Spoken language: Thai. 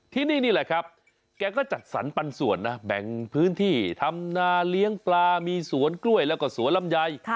ที่นี่นี่แหละครับแกก็จัดสรรปันส่วนนะแบ่งพื้นที่ทำนาเลี้ยงปลามีสวนกล้วยแล้วก็สวนลำไย